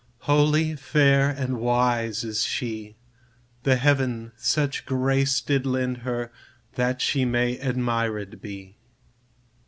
Holy, fair, and wise is she; The heaven such grace did lend her, That she might admired be.